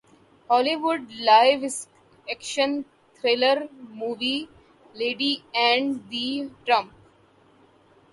ہالی would live action thriller movie lady and the Trump